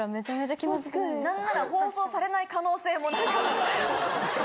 何なら放送されない可能性も。